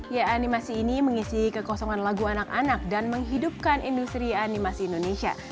ya animasi ini mengisi kekosongan lagu anak anak dan menghidupkan industri animasi indonesia